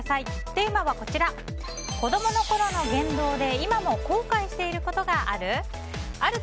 テーマは、子供の頃の言動でいまも後悔していることがある？